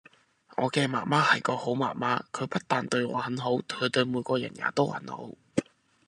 我嘅媽媽係個好媽媽，佢不但對我很好，佢對每個人也都很好